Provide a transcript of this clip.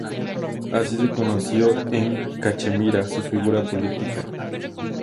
Así se conoció en Cachemira su figura política.